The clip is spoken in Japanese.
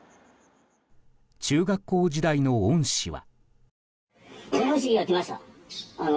中学校時代の恩師は。